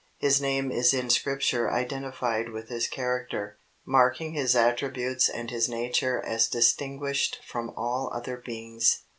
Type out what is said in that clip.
His Name is in Scripture identified with His character, marking His attributes and His nature as distinguished from all other beings.